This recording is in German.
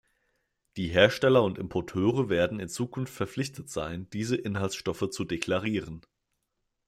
Die Hersteller und Importeure werden in Zukunft verpflichtet sein, diese Inhaltsstoffe zu deklarieren.